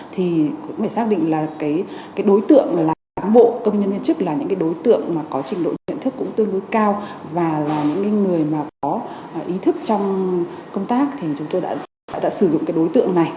thì cũng phải xác định là cái đối tượng là cán bộ công nhân viên chức là những cái đối tượng mà có trình độ nhận thức cũng tương đối cao và là những người mà có ý thức trong công tác thì chúng tôi đã sử dụng cái đối tượng này